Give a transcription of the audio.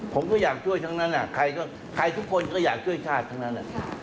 ผมก็อยากช่วยทั้งนั้นใครทุกคนก็อยากช่วยชาติทั้งนั้น